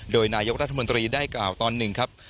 โดยนายกรัฐมนตรีได้กล่าวตอนหนึ่งครับ